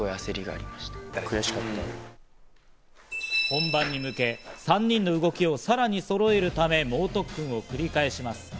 本番に向け、３人の動きをさらにそろえるため、猛特訓を繰り返します。